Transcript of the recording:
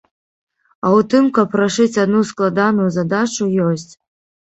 А ў тым, каб рашыць адну складаную задачу, ёсць.